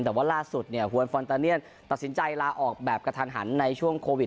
แต่ว่าล่าสุดเนี่ยฮวนฟอนตาเนียนตัดสินใจลาออกแบบกระทันหันในช่วงโควิด